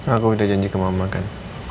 aku udah janji ke mama kan